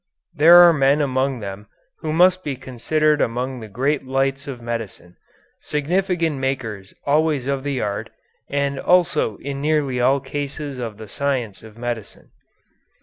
There are men among them who must be considered among the great lights of medicine, significant makers always of the art and also in nearly all cases of the science of medicine.